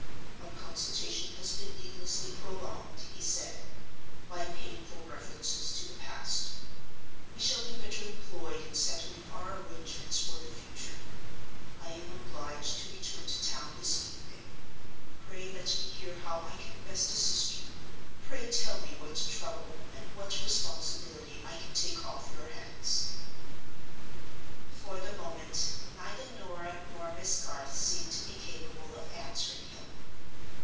"Our consultation has been needlessly prolonged," he said, "by painful references to the past. We shall be better employed in settling our arrangements for the future. I am obliged to return to town this evening. Pray let me hear how I can best assist you; pray tell me what trouble and what responsibility I can take off your hands." For the moment, neither Norah nor Miss Garth seemed to be capable of answering him.